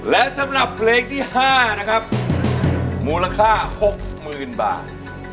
และสำหรับเลขที่ห้านะครับมูลค่าหกหมื่นบาท